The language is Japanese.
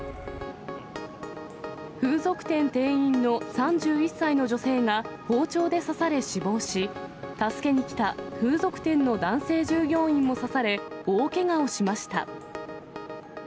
風俗店店員の３１歳の女性が包丁で刺され死亡し、助けに来た風俗店の男性従業員も刺され、大けがをしました。